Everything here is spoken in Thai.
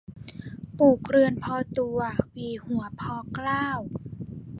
ปลูกเรือนพอตัว หวีหัวพอเกล้า